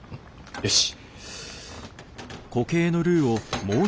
よし。